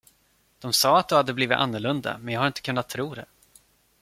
De sade att du hade blivit annorlunda men jag har inte kunnat tro det.